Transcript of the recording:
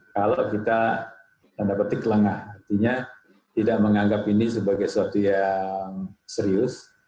kalau kita tanda petik lengah artinya tidak menganggap ini sebagai sesuatu yang serius